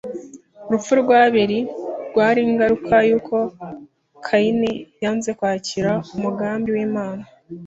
Urupfu rwa Abeli rwari ingaruka y’uko Kayini yanze kwakira umugambi w’Imana